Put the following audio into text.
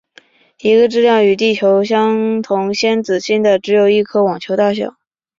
一个质量与地球相同先子星的只有一颗网球大小。